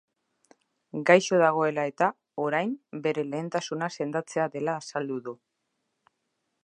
Gaixo dagoela eta, orain, bere lehentasuna sendatzea dela azaldu du.